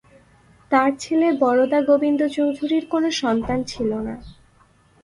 তাঁর ছেলে বরদা গোবিন্দ চৌধুরীর কোনো সন্তান ছিল না।